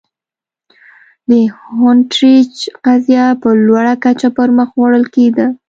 د هونټریج قضیه په لوړه کچه پر مخ وړل کېده.